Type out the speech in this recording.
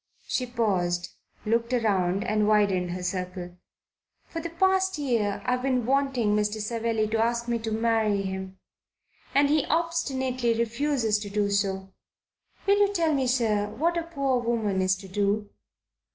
She paused, looked round and widened her circle. "For the past year I have been wanting Mr. Savelli to ask me to marry him, and he obstinately refuses to do so. Will you tell me, sir, what a poor woman is to do?"